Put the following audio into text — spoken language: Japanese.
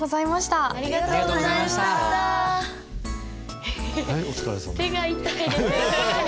手が痛いです。